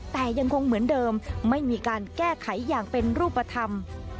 แต่ยังคงเหมือนเดิมไม่มีการแก้ไขอย่างเป็นรูปธรรม